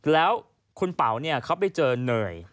แล้วคุณเป๋าเขาไปเจอเนย